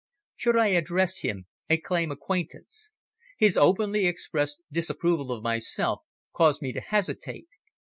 Should I address him and claim acquaintance? His openly expressed disapproval of myself caused me to hesitate.